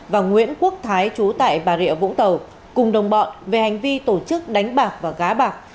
và nguyễn quốc thái chú tại bà rịa vũng tàu cùng đồng bọn về hành vi tổ chức đánh bạc và gá bạc